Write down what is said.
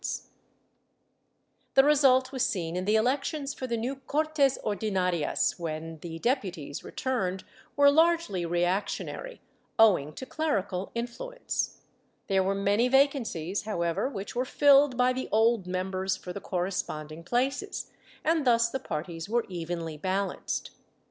IV 27 418 DECADENCE AND EXTINCTION [Book IX The result was seen in the elections for the new Cdrtes ordmarias, when the deputies returned were largely reactionary, owing to clerical influence. There were many vacancies, however, which were filled by the old members for the corresponding places, and thus the parties were evenly balanced.